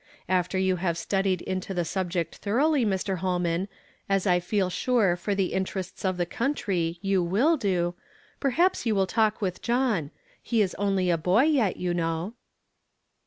After you have studied into the subject thoroughly, Mr. Holman, as I feel sure for the interests of the country you will do, perhaps you will talk with John. He is only a boy yet, you know."